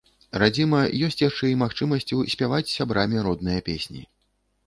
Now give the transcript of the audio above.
Радзіма ёсць яшчэ і магчымасцю спяваць з сябрамі родныя песні.